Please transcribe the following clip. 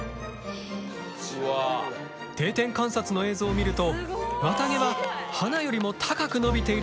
定点観察の映像を見ると綿毛は花よりも高く伸びているのが分かる。